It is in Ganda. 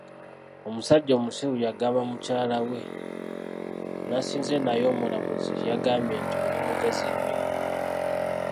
Omusajja omusiru yagamba mukyala we, nasinze naye omulamuzi yagambye nti oli mugezi nnyo.